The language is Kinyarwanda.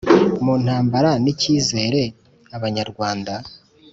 mu ntambara n icyizere Abanyarwanda